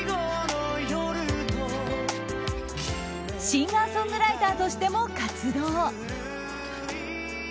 シンガーソングライターとしても活動。